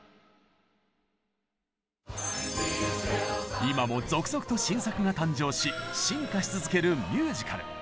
今も続々と新作が誕生し進化し続けるミュージカル。